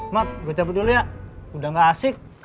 mak gue cabut dulu ya udah gak asik